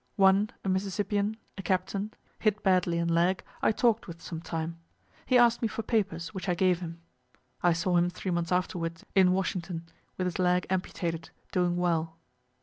One, a Mississippian, a captain, hit badly in leg, I talk'd with some time; he ask'd me for papers, which I gave him. (I saw him three months afterward in Washington, with his leg amputated, doing well.)